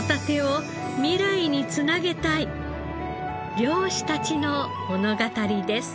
漁師たちの物語です。